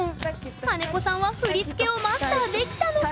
金子さんは振り付けをマスターできたのか？